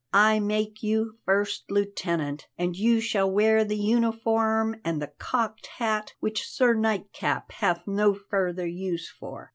I make you first lieutenant, and you shall wear the uniform and the cocked hat which Sir Nightcap hath no further use for."